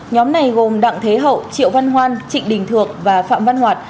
nhóm này gồm đặng thế hậu triệu văn hoan trịnh đình thượng và phạm văn hoạt